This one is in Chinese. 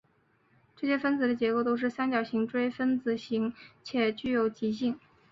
这些分子的结构都是三角锥形分子构型且皆具有极性。